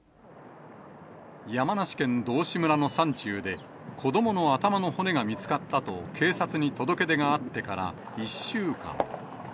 山梨県道志村の山中で、子どもの頭の骨が見つかったと、警察に届け出があってから１週間。